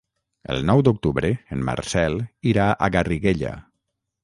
El nou d'octubre en Marcel irà a Garriguella.